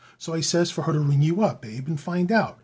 So I says for her to ring you up, Abe, and find out.